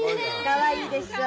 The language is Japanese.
かわいいでしょ。